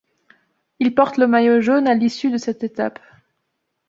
Il porte le maillot jaune à l'issue de cette étape.